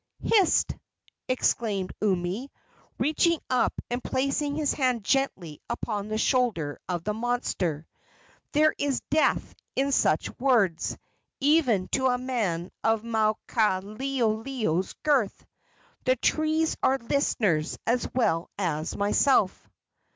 "Hist!" exclaimed Umi, reaching up and placing his hand gently upon the shoulder of the monster. "There is death in such words, even to a man of Maukaleoleo's girth. The trees are listeners as well as myself."